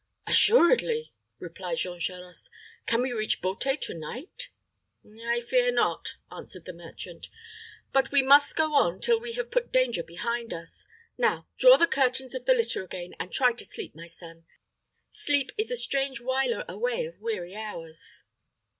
"Assuredly," replied Jean Charost. "Can we reach Beauté to night?" "I fear not," answered the merchant. "But we must go on till we have put danger behind us. Now draw the curtains of the litter again, and try to sleep, my son. Sleep is a strange whiler away of weary hours."